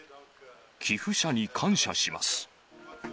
寄付者に感謝します。